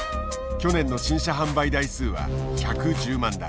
去年の新車販売台数は１１０万台。